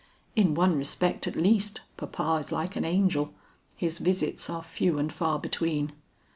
"In one respect at least, papa is like an angel, his visits are few and far between."